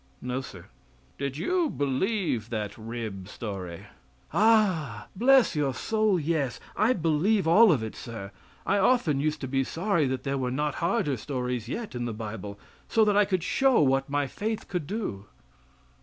"No, Sir. Did you believe that rib story?" "Ah, bless your soul, yes! I believe all of it, Sir; I often used to be sorry that there were not harder stories yet in the Bible, so that I could show what my faith could do."